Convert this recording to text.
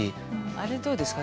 あれどうですか。